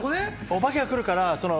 お化けが来るから。